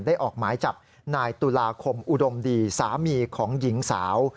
ออกหมายจับนายตุลาคมอุดมดีสามีของหญิงสาว